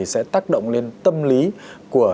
sẽ tác động lên tâm lý của